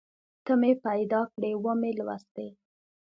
ته مې پیدا کړې ومې لوستې